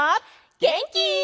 げんき？